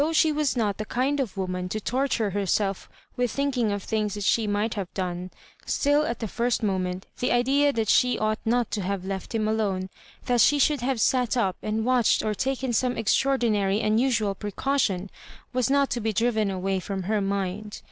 e was not the kind of woman to torture herself with . thinking of things that she might have done, still at the first moment the idea that she ' ought not to have left him alone — that she should have sat up and watched or taken some extraordinary unusual precaution — ^was not to be driven away from her mind.